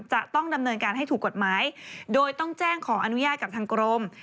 จะต้องดำเนินการให้ถูกกฎหมายโดยต้องแจ้งขออนุญาตกับทางกรม